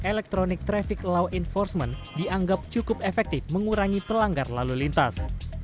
electronic traffic law enforcement dianggap cukup efektif mengurangi pelanggar lalu lintas